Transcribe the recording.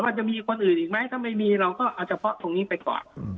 ว่าจะมีคนอื่นอีกไหมไม่มีเราก็เดี๋ยว